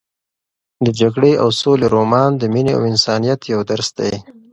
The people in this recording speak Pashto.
د جګړې او سولې رومان د مینې او انسانیت یو درس دی.